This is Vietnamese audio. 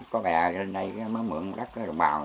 có bè lên đây mới mượn đất đồng bào